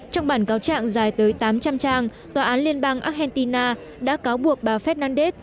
trong bản cáo trạng dài tới tám trăm linh trang tòa án liên bang argentina đã cáo buộc bà fedandez